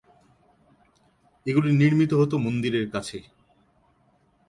এগুলি নির্মিত হত মন্দিরের কাছে।